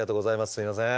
すいません。